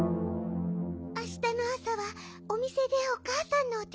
あしたのあさはおみせでおかあさんのおてつだいをするの。